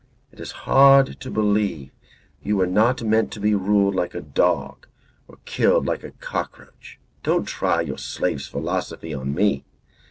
It is hard to believe you were not meant to be ruled like a dog or killed like a cockroach. Don't try your slave's philosophy on me.